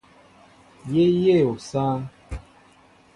Yé yéʼ osááŋ.